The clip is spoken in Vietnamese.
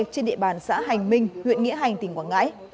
trên địa bàn xã hành minh huyện nghĩa hành tỉnh quảng ngãi